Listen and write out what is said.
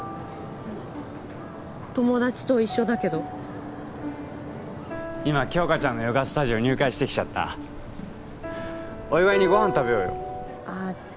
友達と一緒だけど今杏花ちゃんのヨガスタジオ入会してきちゃったお祝いにご飯食べようよあっ